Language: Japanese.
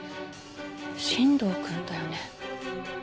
新藤くんだよね。